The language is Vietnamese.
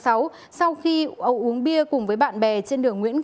sau khi uống bia cùng với bạn bè trên đường nguyễn văn hải